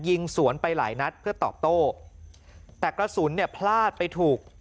ยิงสวนไปหลายนัดเพื่อตอบโต้แต่กระสุนเนี่ยพลาดไปถูก